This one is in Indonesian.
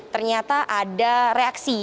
ternyata ada reaksi